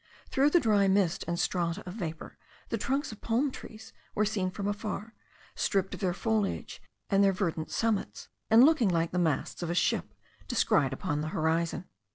Through the dry mist and strata of vapour the trunks of palm trees were seen from afar, stripped of their foliage and their verdant summits, and looking like the masts of a ship descried upon the horizon.